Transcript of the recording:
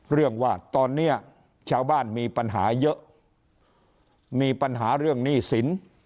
เรื่องว่าตอนนี้ชาวบ้านมีปัญหาเยอะมีปัญหาเรื่องหนี้สิน